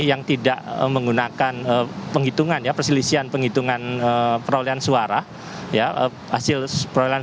yang tidak menggunakan penghitungan ya perselisihan penghitungan perolehan suara ya hasil perolehan